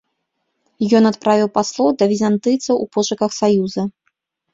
Ён адправіў паслоў да візантыйцаў у пошуках саюза.